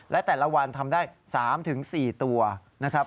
และแต่ละวันทำได้๓๔ตัวนะครับ